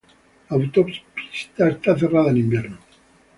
La autopista está cerrada en invierno.